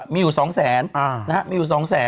มีอยู่๒๐๐๐๐๐นะครับมีอยู่๒๐๐๐๐๐